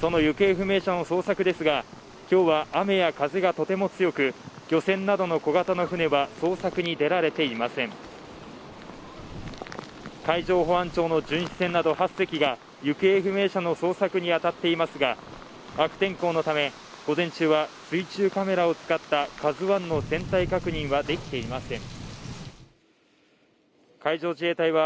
その行方不明者の捜索ですが今日は雨や風がとても強く漁船などの小型の船は捜索に出られていません海上保安庁の巡視船など８隻が行方不明者の捜索に当たっていますが悪天候のため午前中は水中カメラを使った「ＫＡＺＵ１」の全体確認はできていません